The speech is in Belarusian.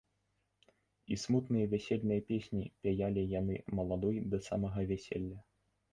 І смутныя вясельныя песні пяялі яны маладой да самага вяселля.